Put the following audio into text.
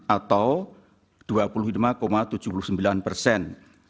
sembilan ratus tiga puluh enam atau dua puluh lima tujuh puluh sembilan persen